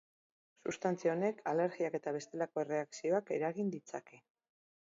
Substantzia honek alergiak eta bestelako erreakzioak eragin ditzake.